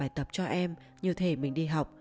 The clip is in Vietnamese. bài tập cho em như thế mình đi học